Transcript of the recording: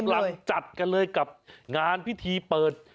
เขากำลังจัดกันเลยกับงานวิธีเปิด